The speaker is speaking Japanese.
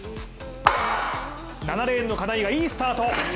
７レーンの金井がいいスタート。